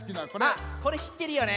あっこれしってるよね。